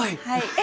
はい。